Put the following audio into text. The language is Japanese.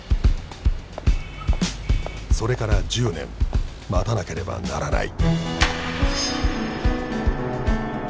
それから１０年待たなければならない